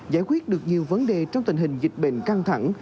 giải quyết được nhiều vấn đề trong tình hình dịch bệnh căng thẳng